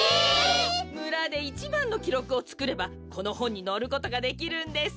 むらでいちばんのきろくをつくればこのほんにのることができるんです。